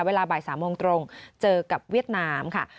เวลาบ่าย๓โมงตรงเจอกับเวียดนามค่ะ